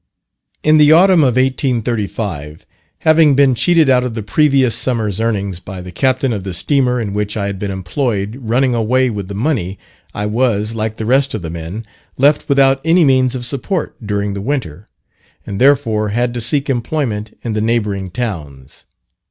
In the autumn of 1835, having been cheated out of the previous summer's earnings, by the captain of the steamer in which I had been employed running away with the money, I was, like the rest of the men, left without any means of support during the winter, and therefore had to seek employment in the neighbouring towns.